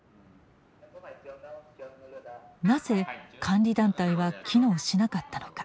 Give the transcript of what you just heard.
なぜ監理団体は機能しなかったのか。